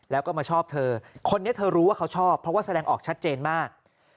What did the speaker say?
แล้วก็มาชอบเธอคนนี้เธอรู้ว่าเขาชอบเพราะว่าแสดงออกชัดเจนมาก